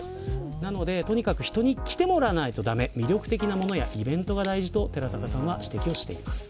なので、とにかく人に来てもらわないと駄目魅力的なものやイベントが必要だと寺坂さんは指摘しています。